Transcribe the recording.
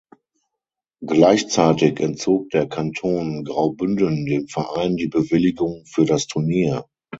Gleichzeitig entzog der Kanton Graubünden dem Verein die Bewilligung für das Turnier.